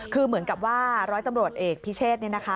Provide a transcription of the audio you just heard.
คือเหมือนกับว่าร้อยตำรวจเอกพิเชษเนี่ยนะคะ